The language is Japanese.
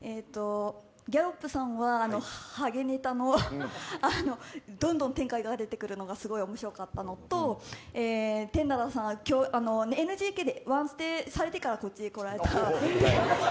ギャロップさんはハゲネタのどんどん展開が出てくるのが面白かったのとテンダラーさんはＮＧＫで１ステされてからこっちに来られた。